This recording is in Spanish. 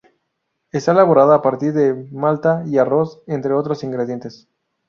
Está elaborada a partir de malta y arroz, entre otros ingredientes.